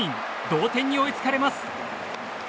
同点に追いつかれます。